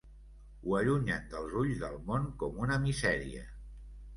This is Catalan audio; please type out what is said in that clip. Ho allunyen dels ulls del món com una misèria.